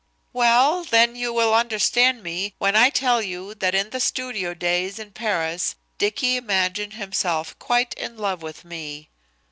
"Well, then, you will understand me when I tell you that in the studio days in Paris Dicky imagined himself quite in love with me."